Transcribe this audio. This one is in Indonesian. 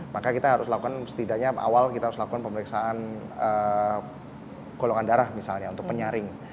maka kita harus lakukan setidaknya awal kita harus lakukan pemeriksaan golongan darah misalnya untuk penyaring